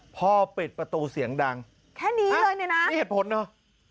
พ่อปิดประตูเสียงดังแค่นี้เลยนะนี่เหตุผลเหรอ